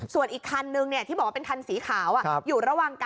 ส่วนอีกคันนึงเนี่ยที่บอกเป็นคันสีขาว